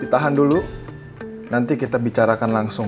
ditahan dulu nanti kita bicarakan langsung